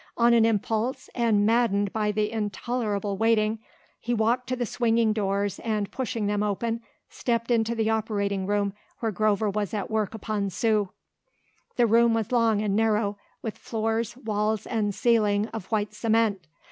On an impulse, and maddened by the intolerable waiting, he walked to the swinging doors and, pushing them open, stepped into the operating room where Grover was at work upon Sue. The room was long and narrow, with floors, walls and ceiling of white cement.